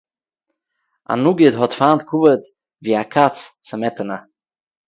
אַ נגיד האָט פֿײַנט כּבֿוד ווי אַ קאַץ סמעטענע.